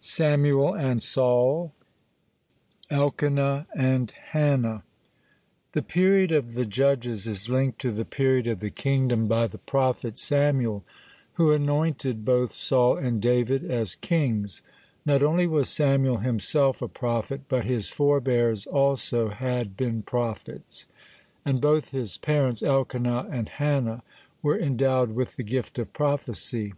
SAMUEL AND SAUL ELKANAH AND HANNAH The period of the Judges is linked to the period of the Kingdom by the prophet Samuel, who anointed both Saul and David as kings. Not only was Samuel himself a prophet, but his forebears also has been prophets, (1) and both his parents, Elkanah and Hannah, were endowed with the gift of prophecy.